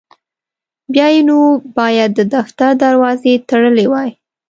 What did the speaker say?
بیا یې نو باید د دفتر دروازې تړلي وای.